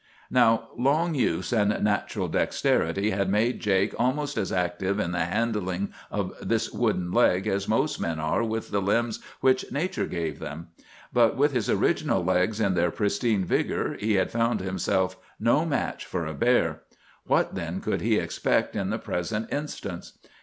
"Now, long use and natural dexterity had made Jake almost as active in the handling of this wooden leg as most men are with the limbs which nature gave them. But with his original legs in their pristine vigor he had found himself no match for a bear. What, then, could he expect in the present instance?